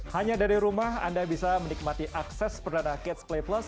hanya dari rumah anda bisa menikmati akses perdana catch play plus